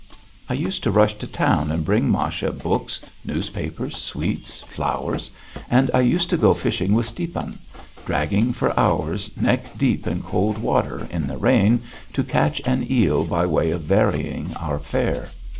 I used to rush to town and bring Masha books, newspapers, sweets, flowers, and I used to go fishing with Stiepan, dragging for hours, neck deep in cold water, in the rain, to catch an eel by way of varying our fare.